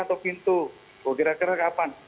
atau pintu oh kira kira kapan